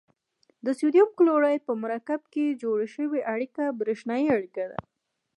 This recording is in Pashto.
د سوډیم کلورایډ په مرکب کې جوړه شوې اړیکه بریښنايي اړیکه ده.